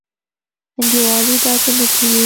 انډيوالي داسي نه کيږي.